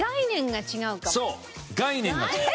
そう概念が違う。